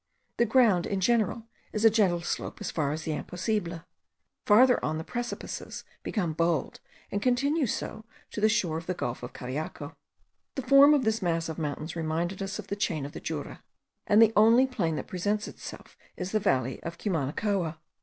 The ground in general is a gentle slope as far as the Imposible; Farther on the precipices become bold, and continue so to the shore of the gulf of Cariaco. The form of this mass of mountains reminded us of the chain of the Jura; and the only plain that presents itself is the valley of Cumanacoa.